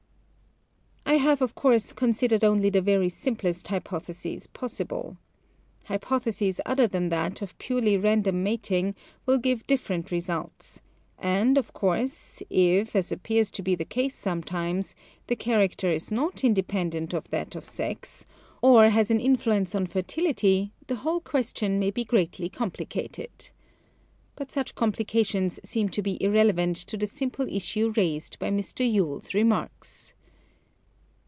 I have, of course, considered only the very simplest hypotheses possible. Hypotheses other that that of purely random mating will give different results, and, of course, if, as appears to be the case sometimes, the char acter is not independent of that of sex, or 60 SCIENCE [N. S. Vol. XXVIII. No. 706 has an influence on fertility, the whole ques tion may be greatly complicated. But such complications seem to be irrelevant to the simple issue raised by Mr. Yule's remarks.